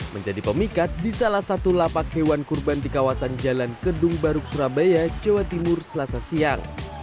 menjadi pemikat di salah satu lapak hewan kurban di kawasan jalan kedung baruk surabaya jawa timur selasa siang